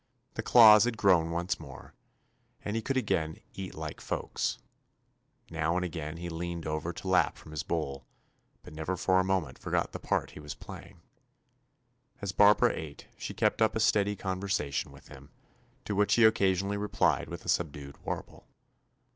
The claws had grown once more, and he could again "eat like folks." Now and again he leaned over to lap from his bowl, but never for a moment forgot the part he was playing. As Barbara ate she kept up a steady conversation with him, to which he occasionally replied with a subdued warble.